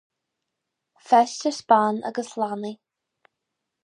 Feisteas ban agus leanaí